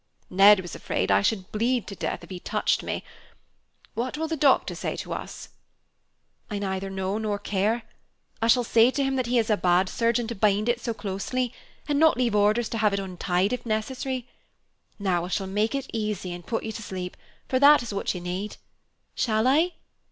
"Ned was afraid I should bleed to death if he touched me. What will the doctor say to us?" "I neither know nor care. I shall say to him that he is a bad surgeon to bind it so closely, and not leave orders to have it untied if necessary. Now I shall make it easy and put you to sleep, for that is what you need. Shall I?